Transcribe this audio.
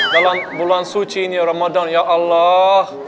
dalam bulan suci ini ramadan ya allah